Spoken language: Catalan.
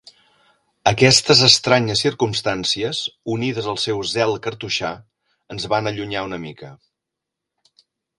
Aquestes estranyes circumstàncies, unides al seu zel cartoixà, ens van allunyar una mica.